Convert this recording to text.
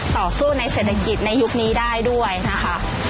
ต่อสู้ในเศรษฐกิจในยุคนี้ได้ด้วยนะคะ